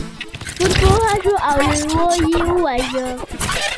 شپون پوه شو او لیوه یې وواژه.